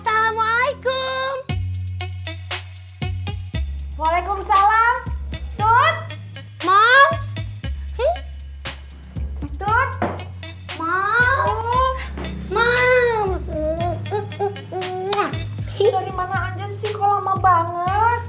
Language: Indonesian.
dari mana aja sih kau lama banget